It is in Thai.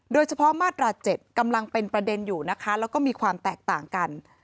เฉพาะมาตรา๗กำลังเป็นประเด็นอยู่นะคะแล้วก็มีความแตกต่างกัน